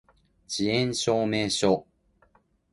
遅延証明書